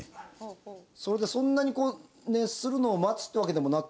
それでそんなに熱するのを待つっていうわけでもなく。